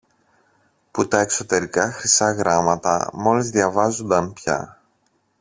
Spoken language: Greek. που τα εξωτερικά χρυσά γράμματα μόλις διαβάζουνταν πια.